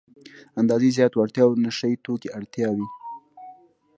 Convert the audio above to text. اندازې زياتو اړتیاوو نشه يي توکو اړتیا وي.